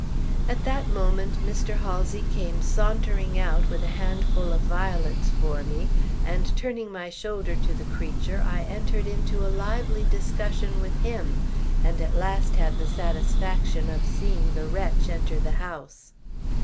At that moment Mr. Halsey came sauntering out with a handful of violets for me, and, turning my shoulder to the creature, I entered into a lively discussion with him, and at last had the satisfaction of seeing the wretch enter the house.